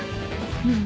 うん。